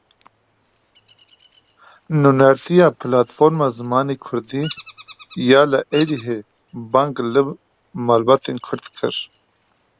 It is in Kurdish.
Nûnertiya Platforma Zimanê kurdî ya li Êlihê bang li malbatên Kurd kir.